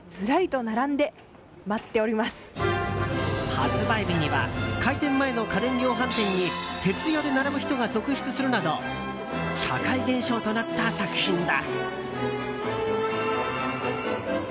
発売日には開店前の家電量販店に徹夜で並ぶ人が続出するなど社会現象となった作品だ。